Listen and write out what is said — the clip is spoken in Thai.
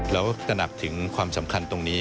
เราตนับถึงความสำคัญตรงนี้